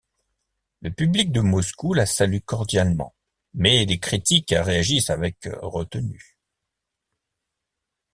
Le public de Moscou la salue cordialement, mais les critiques réagissent avec retenue.